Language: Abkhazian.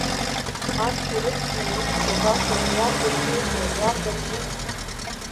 Арҭ урыцны уусқәа башоуп, иарбан ныҳәоу, иарбан ныҳәа!